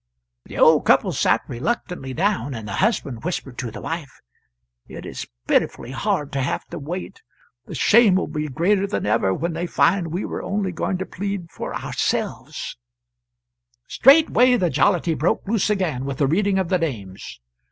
The old couple sat reluctantly down, and the husband whispered to the wife, "It is pitifully hard to have to wait; the shame will be greater than ever when they find we were only going to plead for ourselves." Straightway the jollity broke loose again with the reading of the names.